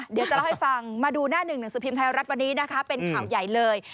เดี๋ยวจะเล่าให้ฟังมาดูหน้าหนึ่งหนังสือพิมพ์ไทยรัฐวันนี้นะคะเป็นข่าวใหญ่เลย